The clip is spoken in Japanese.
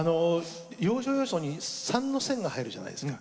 要所要所に三の線が入るじゃないですか。